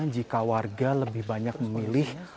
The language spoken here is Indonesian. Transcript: jika warga lebih banyak memilih